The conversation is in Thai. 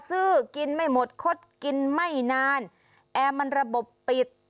ซื้อกินไม่หมดคดกินไม่นานแอร์มันระบบปิด